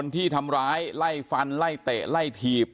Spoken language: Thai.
ที่ทำร้ายไล่ฟันไล่เตะไล่ถีบ